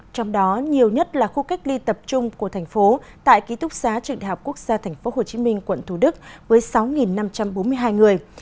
trong đó nhiều nhất là khu cách ly tập trung của thành phố tại ký túc xá trường đại học quốc gia tp hcm quận thủ đức với sáu năm trăm bốn mươi hai người